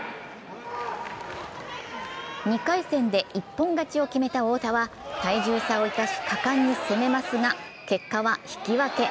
２回戦で一本勝ちを決めた太田は体重差を生かし、果敢に攻めますが結果は引き分け。